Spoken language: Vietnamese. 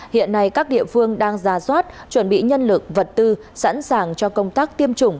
hiện nay các địa phương đang ra soát chuẩn bị nhân lực vật tư sẵn sàng cho công tác tiêm chủng